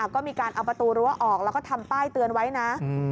ก็มีการเอาประตูรั้วออกแล้วก็ทำป้ายเตือนไว้นะ